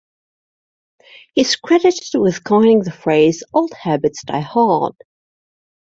He is credited with coining the phrase Old habits die hard.